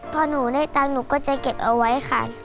พอหนูได้ตังค์หนูก็จะเก็บเอาไว้ค่ะ